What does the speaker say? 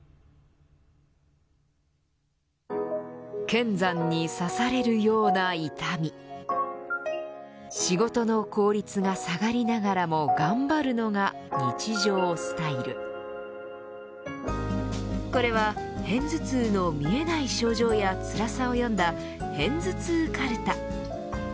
剣山に刺されるような痛み仕事の効率が下がりながらも頑張るのが日常スタイルこれは片頭痛の見えない症状やつらさを詠んだヘンズツウかるた。